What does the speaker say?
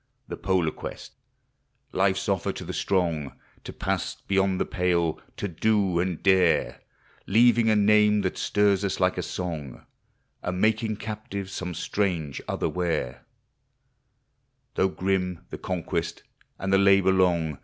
The polar quest! Life's offer to the strong! To pass beyond the pale, to do and dare. Leaving a name that stirs us like a son*;. And making captive some strange Otherwhere, Though grim the conquest, and the labor long.